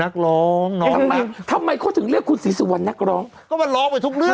ก็มันล้องไปทุกเรื่อง